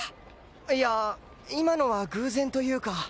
いや今のは偶然というか。